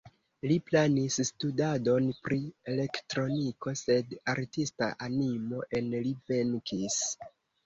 Li planis studadon pri elektroniko, sed artista animo en li venkis.